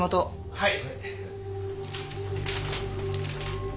はい。